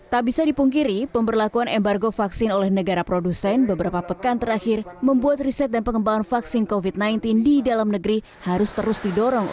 tak bisa dipungkiri pemberlakuan embargo vaksin oleh negara produsen beberapa pekan terakhir membuat riset dan pengembangan vaksin covid sembilan belas di dalam negeri harus terus didorong